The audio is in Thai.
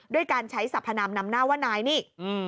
ด้วยการใช้สัพพนามนำหน้าว่านายนี่